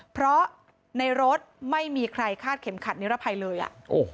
เพราะในรถไม่มีใครคาดเข็มขัดนิรภัยเลยอ่ะโอ้โห